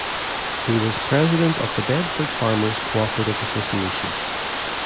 He was president of the Bedford Farmers' Cooperative Association.